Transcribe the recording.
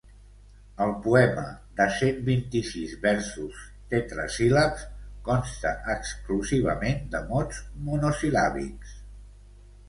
El poema, de cent vint-i-sis versos tetrasíl·labs, consta exclusivament de mots monosil·làbics.